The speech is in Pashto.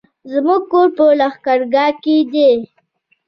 زموږ کور په لښکرګاه کی دی